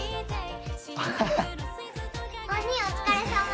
お兄お疲れさま。